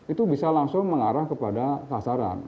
itu bisa langsung mengarah kepada sasaran